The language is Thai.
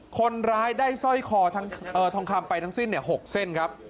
คนร้ายได้สร้อยคอทองคำไปทั้งสิ้น๖เส้นครับ